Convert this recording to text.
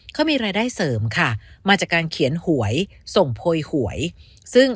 เขามีรายได้เสริมค่ะมาจากการเขียนหวยส่งโพยหวยซึ่ง